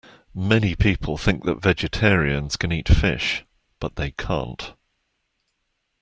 Many people think that vegetarians can eat fish, but they can't